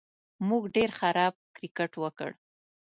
موږ ډېر خراب کرېکټ وکړ